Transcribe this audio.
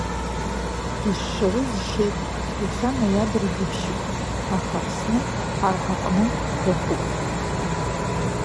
Ишшарыз шеит, иахьа ноиабр жәиԥшьуп, аха Аԥсны, ҳара ҳаҟны, жәохәуп.